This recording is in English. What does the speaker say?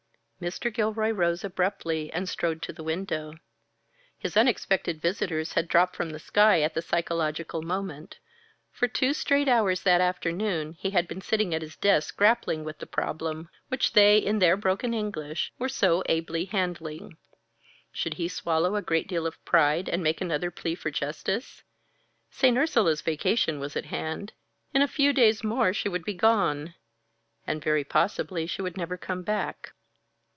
Mr. Gilroy rose abruptly and strode to the window. His unexpected visitors had dropped from the sky at the psychological moment. For two straight hours that afternoon he had been sitting at his desk grappling with the problem, which they, in their broken English, were so ably handling. Should he swallow a great deal of pride, and make another plea for justice? St. Ursula's vacation was at hand; in a few days more she would be gone and very possibly she would never come back.